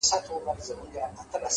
• مخامخ وو د سلمان دوکان ته تللی ,